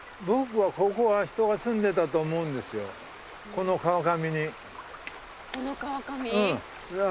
この川上？